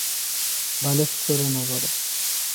Baleswar Nagar.